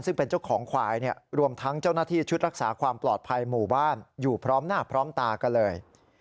ซึ่งเป็นเจ้าของควายรวมทั้งเจ้าหน้าที่ชุดรักษาความปลอดภัยหมู่บ้านอยู่พร้อมหน้าพร้อมตากันเลย